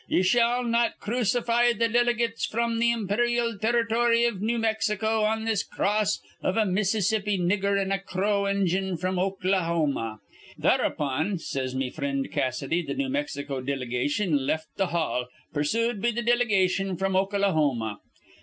'Ye shall not crucify th' diligates fr'm th' imperyal Territ'ry iv New Mexico on this cross iv a Mississippi nigger an' Crow Injun fr'm Okalahoma,' he says. Thereupon, says me frind Cassidy, th' New Mexico diligation left th' hall, pursued be th' diligation from Okalahoma.